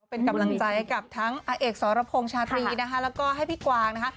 เป็นกำลังใจกับทั้งอาเอกสรพงษ์ชาตรีนะคะแล้วก็ให้พี่กวางนะคะ